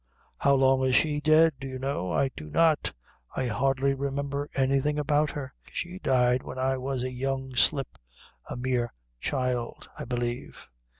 "How long is she dead, do you know?" "I do not; I hardly remember anything about her. She died when I was a young slip a mere child, I believe.